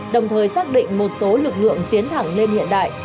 đồng thời xác định một số lực lượng tiến thẳng lên hiện đại